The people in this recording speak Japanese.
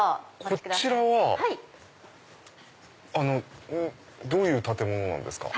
こちらはどういう建物なんですか？